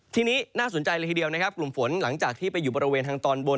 ทีนี้น่าสนใจเลยทีเดียวนะครับกลุ่มฝนหลังจากที่ไปอยู่บริเวณทางตอนบน